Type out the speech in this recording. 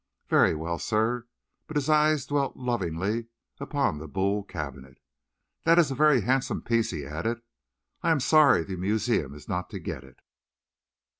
"Very well, sir," but his eyes dwelt lovingly upon the Boule cabinet. "That is a very handsome piece," he added. "I am sorry the museum is not to get it."